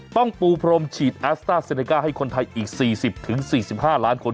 ปูพรมฉีดแอสต้าเซเนก้าให้คนไทยอีก๔๐๔๕ล้านคน